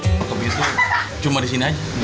warung kopi itu cuma di sini aja